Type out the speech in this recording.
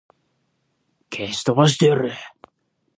消し飛ばしてやる!